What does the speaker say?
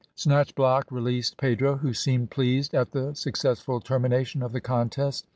Snatchblock released Pedro, who seemed pleased at the successful termination of the contest.